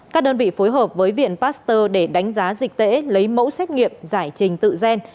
các đơn vị phối hợp với viện pasteur để đánh giá dịch tễ lấy mẫu xét nghiệm giải trình tự gen